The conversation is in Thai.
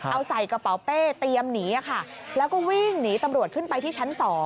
เอาใส่กระเป๋าเป้เตรียมหนีค่ะแล้วก็วิ่งหนีตำรวจขึ้นไปที่ชั้น๒